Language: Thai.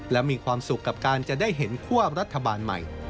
และมีความสุขกับการจะได้เห็นคั่วรัฐบาลใหม่